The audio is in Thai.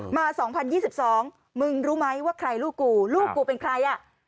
มา๒๐๒๒มึงรู้ไหมว่าใครลูกกูลูกกูเป็นใครอ่ะ